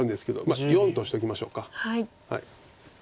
４としときましょうか。